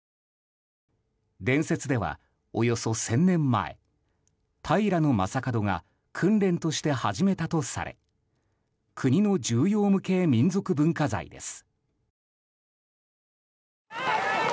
伝説では、およそ１０００年前平将門が訓練として始めたとされ国の重要無形民俗文化財です。